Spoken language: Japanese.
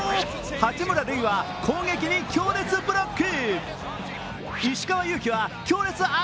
八村塁は攻撃に強烈ブロック。